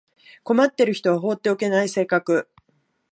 困っている人は放っておけない性格